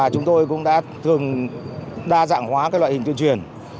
chúng tôi cũng đã thường đa dạng hóa loại hình tuyên truyền